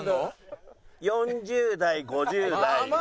４０代５０代。